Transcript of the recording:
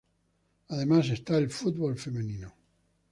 Además está el fútbol femenino.